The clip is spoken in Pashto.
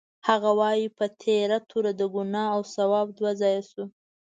هغه وایي: په تېره توره د ګناه او ثواب دوه ځایه شو.